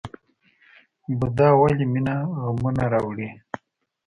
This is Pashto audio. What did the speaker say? بودا وایي مینه غمونه راوړي.